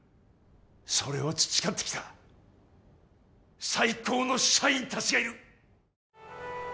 それを培ってきた最高の社員たちがいる！